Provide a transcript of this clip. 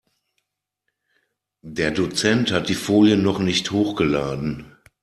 Der Dozent hat die Folien noch nicht hochgeladen.